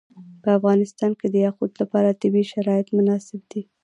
په افغانستان کې د یاقوت لپاره طبیعي شرایط مناسب دي.